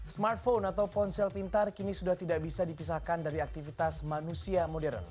smartphone atau ponsel pintar kini sudah tidak bisa dipisahkan dari aktivitas manusia modern